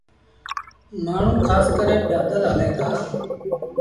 مآڻهوٚٚݩ کآس ڪري پيٚآدل هليݩ دآ۔